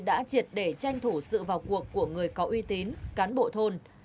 đã triệt để tranh thủ sự vào cuộc của người có uy tín cán bộ thôn